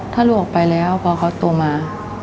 ถ้าลูกไปแล้วพ่อเขาตัวมา